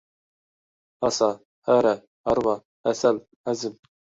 ھاسا، ھەرە، ھارۋا، ھەسەل، ھەزىم.